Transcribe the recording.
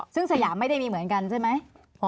ซึ่งสยามไม่ได้มีเหมือนกันใช่ไหม